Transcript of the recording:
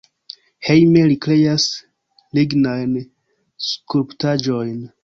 Hejme li kreas lignajn skulptaĵojn.